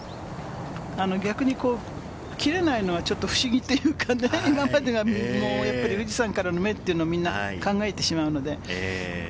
逆に切れないのがちょっと不思議というかね、今までが富士山からの目というのをみんな考えてしまうので。